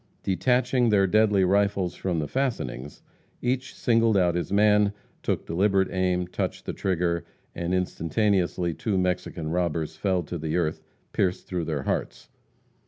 Detaching their deadly rifles from the fastenings, each singled out his man, took deliberate aim, touched the trigger, and instantaneously two Mexican robbers fell to the earth pierced through their hearts.